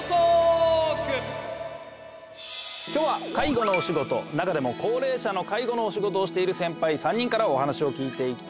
今日は介護のお仕事中でも高齢者の介護のお仕事をしているセンパイ３人からお話を聞いていきたいと思います。